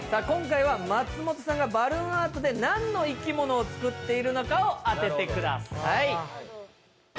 今回は松本さんがバルーンアートで何の生き物を作っているのかを当ててください。